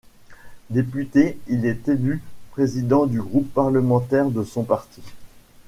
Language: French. Député, il est élu président du groupe parlementaire de son parti.